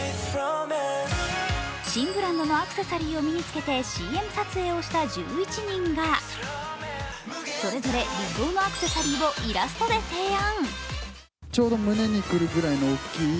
新ブランドのアクセサリーを身に着けてＣＭ撮影をした１１人がそれぞれ理想のアクセサリーをイラストで提案。